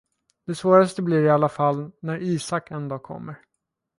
Det svåraste blir i alla fall, när Isak en dag kommer.